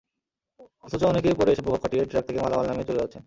অথচ অনেকে পরে এসে প্রভাব খাটিয়ে ট্রাক থেকে মালামাল নামিয়ে চলে যাচ্ছেন।